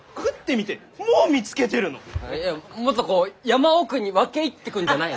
いやもっとこう山奥に分け入ってくんじゃないの？